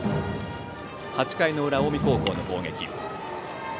８回の裏、近江高校の攻撃。